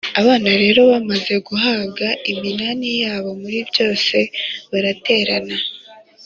Abana rero bamaze guhabwa iminani yabo muri byose, baraterana